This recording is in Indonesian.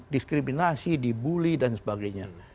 diskriminasi dibully dan sebagainya